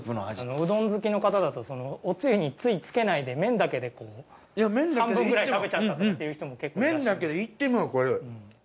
うどん好きの方だとおつゆについつけないで麺だけでこう半分くらい食べちゃったって言う人も結構いらっしゃいます。